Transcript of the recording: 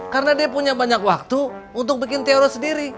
karena dia punya banyak waktu untuk bikin teori sendiri